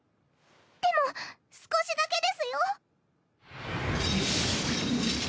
でも少しだけですよ！